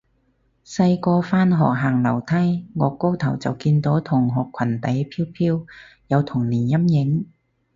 細個返學行樓梯，顎高頭就見到同學裙底飄飄，有童年陰影